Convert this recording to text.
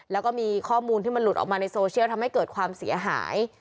แล้วก็มีข้อมูลที่มันหลุดออกมาในโซเชียลทำให้เกิดความเสียหาย